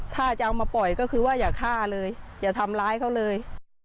ถ้าจะเอามาปล่อยก็คือว่าอย่าฆ่าเลยอย่าทำร้ายเขาเลย